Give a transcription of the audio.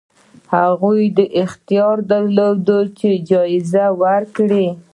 هغوی اختیار درلود چې اجازه ورکړي.